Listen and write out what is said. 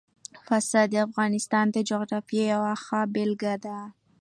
پسه د افغانستان د جغرافیې یوه ښه بېلګه ده.